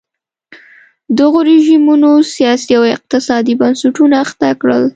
دغو رژیمونو سیاسي او اقتصادي بنسټونه اخته کړل.